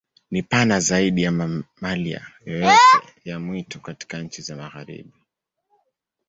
Ni pana zaidi ya mamalia yoyote ya mwitu katika nchi za Magharibi.